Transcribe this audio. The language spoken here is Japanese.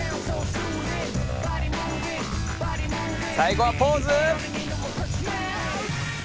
最後はポーズ！